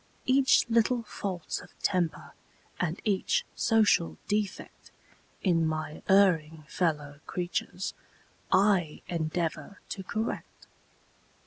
Each little fault of temper and each social defect In my erring fellow creatures, I endeavor to correct.